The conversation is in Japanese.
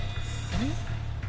えっ？